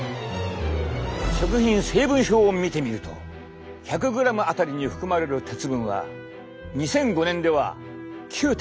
食品成分表を見てみると１００ｇあたりに含まれる鉄分は２００５年では９．４ｍｇ。